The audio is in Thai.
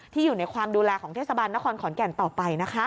อยู่ในความดูแลของเทศบาลนครขอนแก่นต่อไปนะคะ